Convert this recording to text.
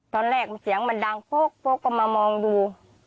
ตอนแรกมันเสียงมาดังโฟกโฟกออกมามองดู